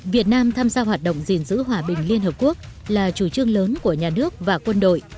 việt nam tham gia hoạt động gìn giữ hòa bình liên hợp quốc là chủ trương lớn của nhà nước và quân đội